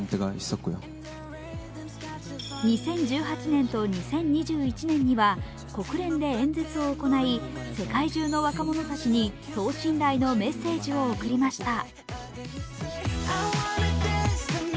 ２０１８年と２０２１年には国連で演説を行い世界中の若者たちに等身大のメッセージを送りました。